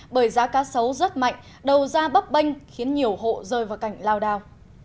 bởi giá cá sấu rất mạnh đầu ra bấp banh khiến nhiều hộ rơi vào cảnh lao đào